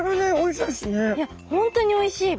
いや本当においしい。